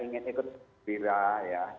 dia ingin ikut sepirah ya